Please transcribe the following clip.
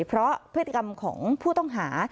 เพราะพฤติกรรมของผู้ต้องหา